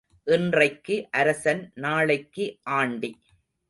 இன்றைக்கு அரசன் நாளைக்கு ஆண்டி.